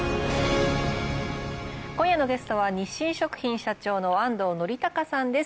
今夜のゲストは日清食品社長の安藤徳隆さんです。